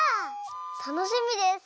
たのしみです！